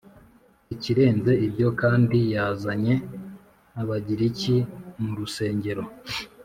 Ikirenze ibyo kandi yazanye Abagiriki mu rusengero